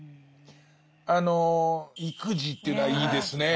あの意気地というのはいいですね。